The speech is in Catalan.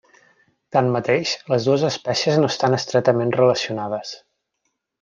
Tanmateix, les dues espècies no estan estretament relacionades.